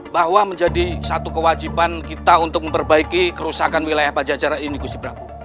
bahwa menjadi satu kewajiban kita untuk memperbaiki kerusakan wilayah pajacara ini gusti prabu